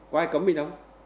có ai cấm mình không